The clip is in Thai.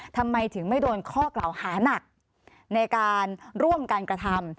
ทำไมถึงไม่โดนข้อกล่าวหานักในการร่วมกันกระทำ